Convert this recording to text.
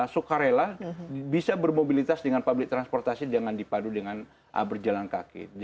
suka rela bisa bermobilitas dengan public transportasi jangan dipadu dengan berjalan kaki